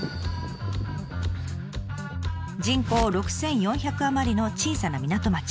人口６，４００余りの小さな港町。